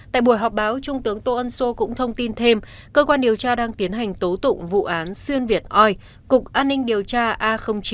tại buổi họp báo trung tướng tô ân sô cũng thông tin thêm cơ quan điều tra đang tiến hành tố tụng vụ án xuyên việt oi cục an ninh điều tra a chín